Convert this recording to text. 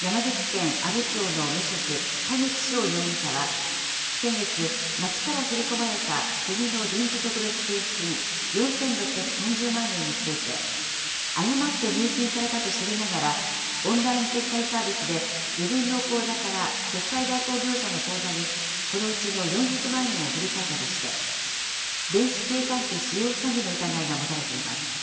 山口県阿武町の無職、田口翔容疑者は先月、町から振り込まれた国の臨時特別給付金、４６３０万円について、誤って入金されたと知りながら、オンライン決済サービスで、自分の口座から決済代行業者の口座にこのうちの４００万円を振り替えたとして、電子計算機使用詐欺の疑いが持たれています。